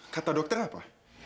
kata dokter apa